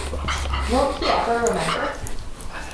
Won't he ever remember?